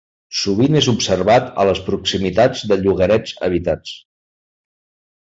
Sovint és observat a les proximitats de llogarets habitats.